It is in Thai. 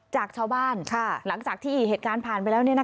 จากชาวบ้านหลังจากที่เหตุการณ์ผ่านไปแล้ว